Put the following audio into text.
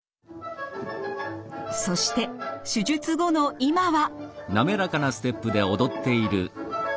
そして手術後の今は。